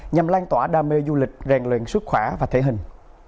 nhằm lan tỏa đam mê du lịch rèn luyện sức khỏe và thể hình